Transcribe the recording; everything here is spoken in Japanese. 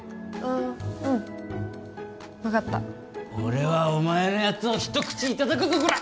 あうん分かった俺はお前のやつを一口いただくぞこら！